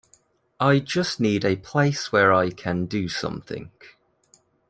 I just need a place where I can do something.